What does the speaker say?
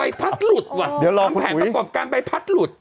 พัดหลุดว่ะทำแผนประกอบการใบพัดหลุด